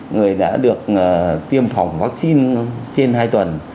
người đã được tiêm phòng vắc xin trên hai tuần